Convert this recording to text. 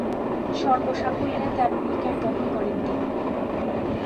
সর্বসাকুল্যে তেরো উইকেট দখল করেন তিনি।